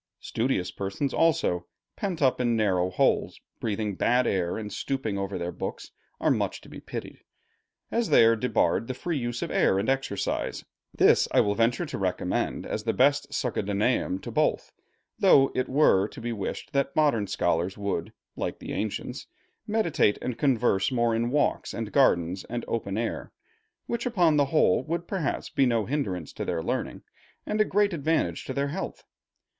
Studious persons also, pent up in narrow holes, breathing bad air, and stooping over their books, are much to be pitied. As they are debarred the free use of air and exercise, this I will venture to recommend as the best succedaneum to both; though it were to be wished that modern scholars would, like the ancients, meditate and converse more in walks and gardens and open air, which upon the whole would perhaps be no hindrance to their learning, and a great advantage to their health.